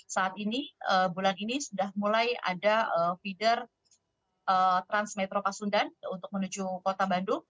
saat ini bulan ini sudah mulai ada feeder transmetro pasundan untuk menuju kota bandung